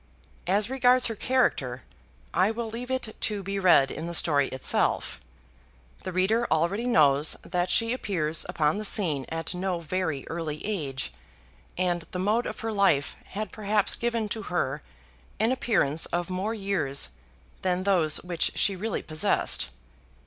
As regards her character, I will leave it to be read in the story itself. The reader already knows that she appears upon the scene at no very early age, and the mode of her life had perhaps given to her an appearance of more years than those which she really possessed.